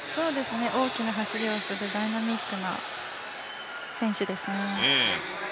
大きな走りをする、ダイナミックな選手ですね。